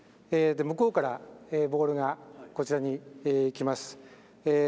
向こうからボールがこちらに来ます。